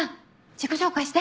自己紹介して。